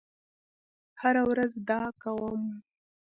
هره ورځ دا کوم